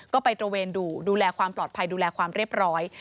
ก็ไปตระเวนดูดูแลความปลอดภัยดูแลความเรียบร้อย